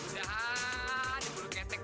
udah ini bulu ketek